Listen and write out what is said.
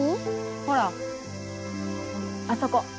ほらあそこ。